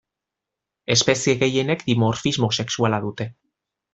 Espezie gehienek dimorfismo sexuala dute.